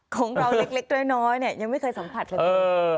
ของเราเล็กน้อยเนี่ยยังไม่เคยสัมผัสเลย